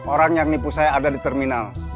orang yang nipu saya ada di terminal